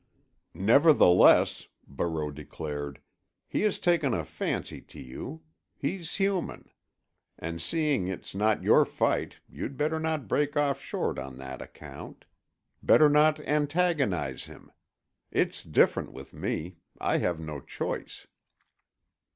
"Nevertheless," Barreau declared, "he has taken a fancy to you. He's human. And seeing it's not your fight, you'd better not break off short on that account. Better not antagonize him. It's different with me; I have no choice."